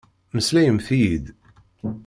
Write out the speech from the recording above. Meslayemt-iyi-d!